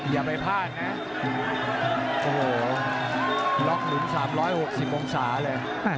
อย่าไปพลาดนะโอ้โหล็อกหลุม๓๖๐องศาเลย